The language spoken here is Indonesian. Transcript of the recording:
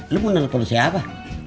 lu menurut lu siapa